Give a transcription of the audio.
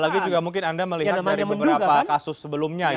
lagi juga mungkin anda melihat dari beberapa kasus sebelumnya ya